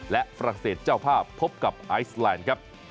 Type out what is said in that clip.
และฝรั่งเศสเจ้าภาพพบกับไอซแลนด์ครับ